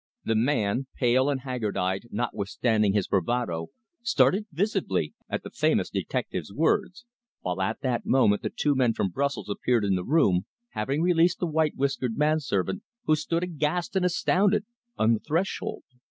The man, pale and haggard eyed notwithstanding his bravado, started visibly at the famous detective's words, while at that moment the two men from Brussels appeared in the room, having released the white whiskered man servant, who stood aghast and astounded on the threshold.